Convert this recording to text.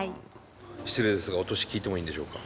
失礼ですがお年聞いてもいいんでしょうか？